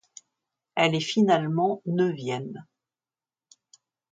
Elle est finalement neuvième.